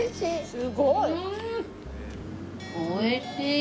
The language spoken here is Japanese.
すごい！おいしい！